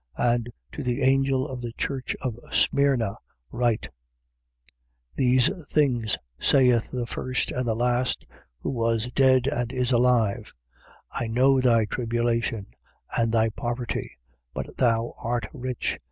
2:8. And to the angel of the church of Smyrna write: These things saith the First and the Last, who was dead and is alive: 2:9. I know thy tribulation and thy poverty: but thou art rich.